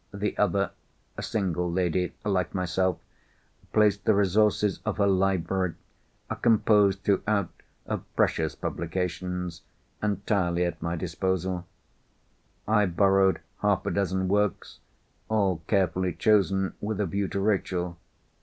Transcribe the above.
The other—a single lady, like myself—placed the resources of her library (composed throughout of precious publications) entirely at my disposal. I borrowed half a dozen works, all carefully chosen with a view to Rachel.